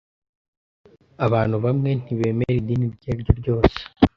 Abantu bamwe ntibemera idini iryo ariryo ryose.